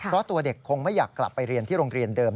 เพราะตัวเด็กคงไม่อยากกลับไปเรียนที่โรงเรียนเดิม